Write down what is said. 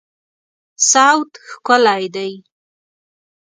صوت ښکلی دی